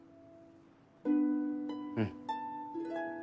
うん。